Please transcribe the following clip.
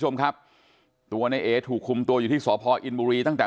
คุณผู้ชมครับตัวในเอถูกคุมตัวอยู่ที่สพอินบุรีตั้งแต่